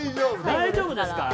大丈夫ですか？